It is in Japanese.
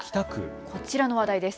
こちらの話題です。